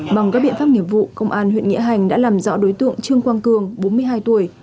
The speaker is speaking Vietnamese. bằng các biện pháp nghiệp vụ công an huyện nghĩa hành đã làm rõ đối tượng trương quang cường bốn mươi hai tuổi